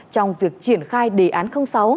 trong việc triển khai đề án sáu